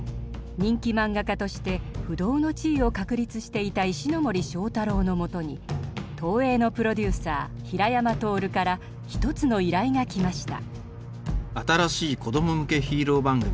人気マンガ家として不動の地位を確立していた石森章太郎のもとに東映のプロデューサー平山亨から一つの依頼が来ました。